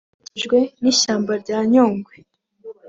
gakikijwe n’ishyamba rya Nyungwe